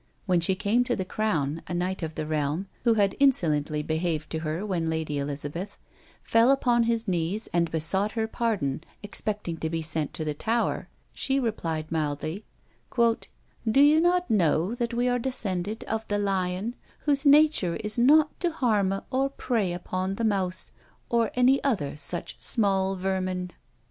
When she came to the crown, a knight of the realm, who had insolently behaved to her when Lady Elizabeth, fell upon his knees and besought her pardon, expecting to be sent to the Tower: she replied mildly, "Do you not know that we are descended of the lion, whose nature is not to harme or prey upon the mouse, or any other such small vermin?"